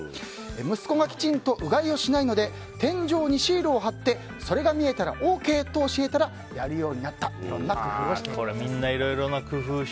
息子がきちんとうがいをしないので天井にシールを貼ってそれが見えたらＯＫと教えたらやるようになったとこんな工夫を。